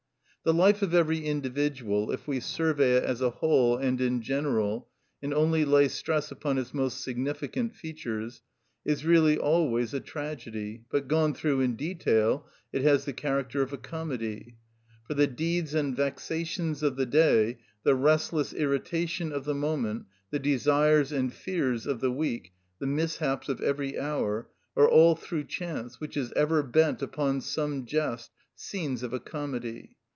The life of every individual, if we survey it as a whole and in general, and only lay stress upon its most significant features, is really always a tragedy, but gone through in detail, it has the character of a comedy. For the deeds and vexations of the day, the restless irritation of the moment, the desires and fears of the week, the mishaps of every hour, are all through chance, which is ever bent upon some jest, scenes of a comedy.